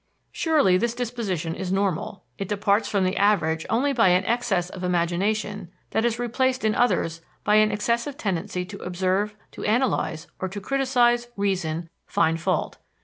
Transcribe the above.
Surely this disposition is normal; it departs from the average only by an excess of imagination that is replaced in others by an excessive tendency to observe, to analyze, or to criticise, reason, find fault.